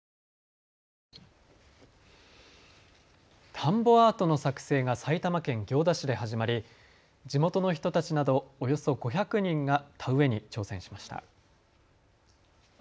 田んぼアートの作成が埼玉県行田市で始まり地元の人たちなどおよそ５００人が田植えに挑戦しました。